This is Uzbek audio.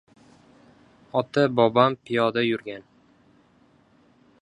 — Ota-bovam piyoda yurgan!..